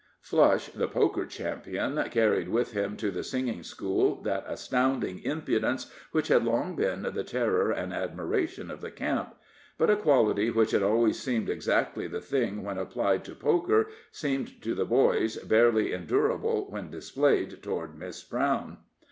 Flush, the poker champion, carried with him to the singing school that astounding impudence which had long been the terror and admiration of the camp. But a quality which had always seemed exactly the thing when applied to poker seemed to the boys barely endurable when displayed toward Miss Brown.